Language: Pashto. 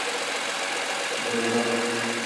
🐐 بزه